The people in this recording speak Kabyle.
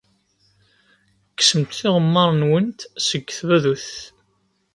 Kksemt tiɣemmar-nwent seg tdabut.